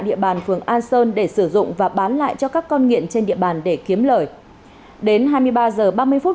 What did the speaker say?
địa bàn phường an sơn để sử dụng và bán lại cho các con nghiện trên địa bàn để kiếm lời đến hai mươi ba h ba mươi phút